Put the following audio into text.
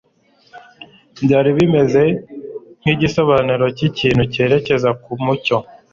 Byari bimeze nkigisobanuro cy'ikintu cyerekeza ku mucyo.